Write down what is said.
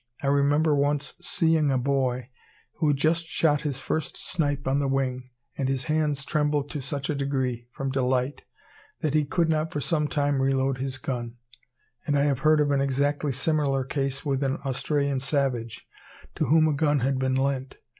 I remember once seeing a boy who had just shot his first snipe on the wing, and his hands trembled to such a degree from delight, that he could not for some time reload his gun; and I have heard of an exactly similar case with an Australian savage, to whom a gun had been lent.